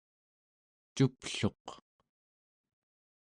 cupluq